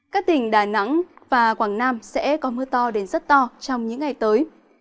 các tỉnh đà nẵng và quảng nam sẽ có mưa to đến rất to trong những ngày tới